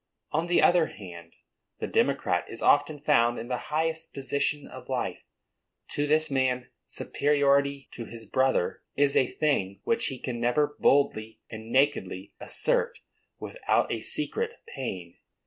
On the other hand, the democrat is often found in the highest position of life. To this man, superiority to his brother is a thing which he can never boldly and nakedly assert without a secret pain.